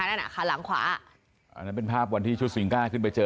อันนั้นเป็นภาพวันที่ชุดสวิงก้าขึ้นไปเจอ